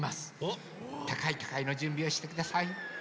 たかいたかいのじゅんびをしてください。